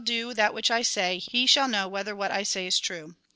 do that which I say, he shall know whether what I say is true.